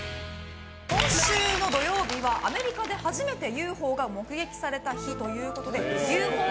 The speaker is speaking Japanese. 今週の土曜日はアメリカで初めてＵＦＯが目撃された日ということでＵＦＯ